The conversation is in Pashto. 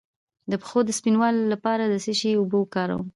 د پښو د سپینولو لپاره د څه شي اوبه وکاروم؟